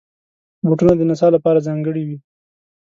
بوټونه د نڅا لپاره ځانګړي وي.